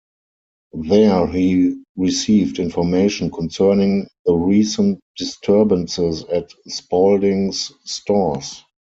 There he received information concerning the recent disturbances at Spalding's Stores.